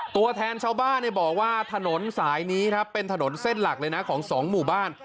ตัวแทนชาวบ้านบอกว่าถนนสายนี้ครับเป็นถนนเส้นหลักเลยนะของสองหมู่บ้าน